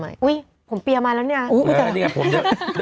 เออนี่ครับผมน่าจะเพิ่มขึ้นอีกด้วย